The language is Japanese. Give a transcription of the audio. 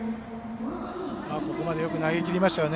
ここまでよく投げきりましたよね。